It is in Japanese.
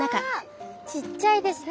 ちっちゃいですね。